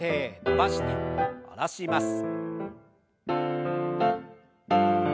伸ばして下ろします。